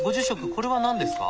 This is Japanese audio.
これは何ですか？